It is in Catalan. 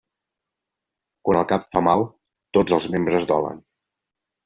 Quan el cap fa mal, tots els membres dolen.